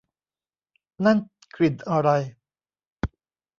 นั่นกลิ่นอะไร